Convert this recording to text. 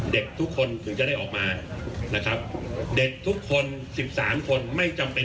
เด็กทุกคนถึงจะได้ออกมานะครับเด็กทุกคน๑๓คนไม่จำเป็น